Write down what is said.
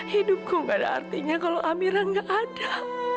hidupku gak ada artinya kalau amira gak ada